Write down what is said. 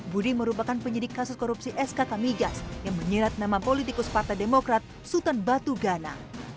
budi merupakan penyidik kasus korupsi skk migas yang menyerat nama politikus partai demokrat sultan batu gana